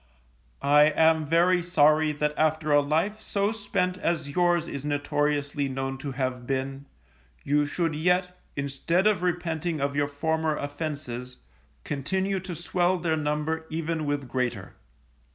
I am very sorry that after a life so spent as yours is notoriously known to have been, you should yet, instead of repenting of your former offences, continue to swell their number even with greater.